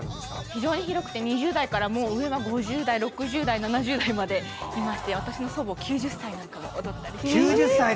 非常に広くて２０代から、上が５０代６０代、７０代までいまして私の祖母９０歳になっても踊ったりします。